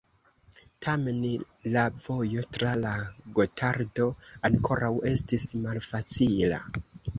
Tamen la vojo tra la Gotardo ankoraŭ estis malfacila.